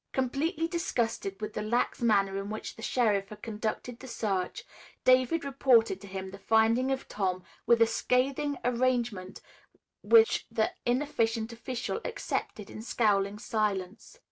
Completely disgusted with the lax manner in which the sheriff had conducted the search, David reported to him the finding of Tom, with a scathing arraignment which the inefficient official accepted in scowling silence.